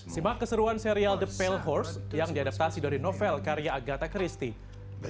simak keseruan serial the pail hours yang diadaptasi dari novel karya agatha christie